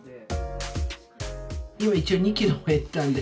今一応２キロ減ったんで。